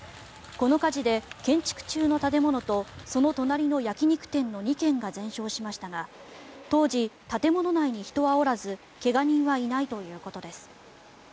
この火事で建築中の建物とその隣の焼き肉店の２軒が全焼しましたが当時、建物内に人はおらず怪我人はいないということです。